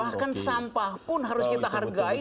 bahkan sampah pun harus kita hargai